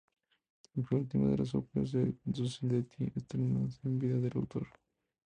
Fue la última de las óperas de Donizetti estrenadas en vida del autor.